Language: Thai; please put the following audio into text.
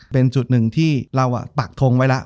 เป็นจุดหนึ่งที่เราปักทงไว้แล้ว